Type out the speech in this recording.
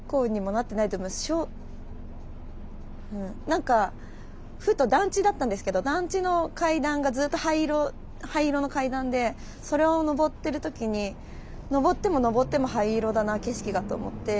何かふと団地だったんですけど団地の階段がずっと灰色の階段でそれを上ってる時に上っても上っても灰色だな景色がと思って。